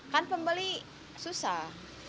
kan pembeli susah